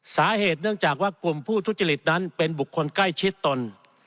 สาเหตุเนื่องจากว่ากลุ่มผู้ทุจริตนั้นเป็นบุคคลใกล้ชิดตน